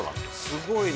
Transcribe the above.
すごいな。